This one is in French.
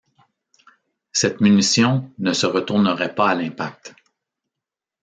Cette munition ne se retournerait pas à l'impact.